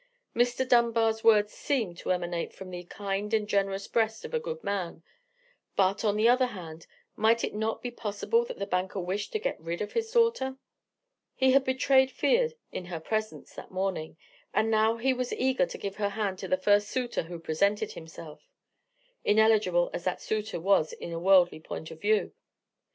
Mr. Dunbar's words seemed to emanate from the kind and generous breast of a good man: but, on the other hand, might it not be possible that the banker wished to get rid of his daughter? He had betrayed fear in her presence, that morning: and now he was eager to give her hand to the first suitor who presented himself: ineligible as that suitor was in a worldly point of view.